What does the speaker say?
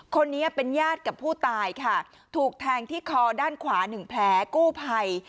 คนนี้เป็นญาติกับผู้ตายค่ะถูกแทงที่คอด้านขวาหนึ่งแผลกู้ภัย